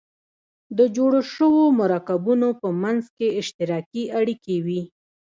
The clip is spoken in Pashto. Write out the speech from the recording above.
د جوړو شوو مرکبونو په منځ کې اشتراکي اړیکې وي.